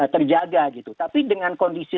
terjaga tapi dengan kondisi